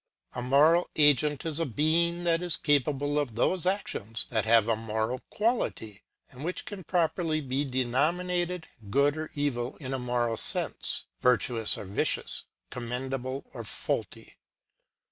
A moral agent \s a being that is capable of those ac tions that have a moral quality, and which can properly be denominated good or evil in a moral sense, virtuous or vicious, commendable or faulty.